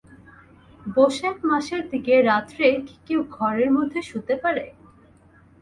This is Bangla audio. বোশেখ মাসের দিকে রাত্রে কি কেউ ঘরের মধ্যে শূতে পারে?